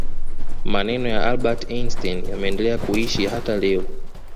maneno ya albert einstein yameendelea kuishi hata leo